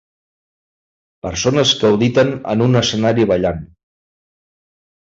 Persones que auditen en un escenari ballant.